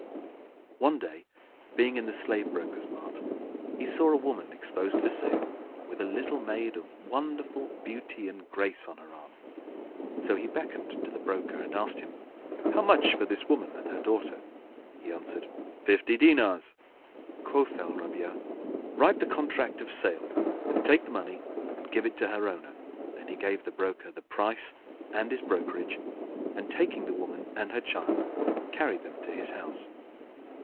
[FN#2] One day, being in the slave brokers' mart, he saw a woman exposed for sale with a little maid of wonderful beauty and grace on her arm. So he beckoned to the broker and asked him, "How much for this woman and her daughter?" He answered "Fifty dinars." Quoth Al Rabi'a "Write the contract of sale and take the money and give it to her owner." Then he gave the broker the price and his brokerage and taking the woman and her child, carried them to his house.